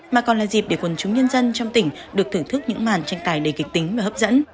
mà còn là dịp để quần chúng nhân dân trong tỉnh được thưởng thức những màn tranh tài đầy kịch tính và hấp dẫn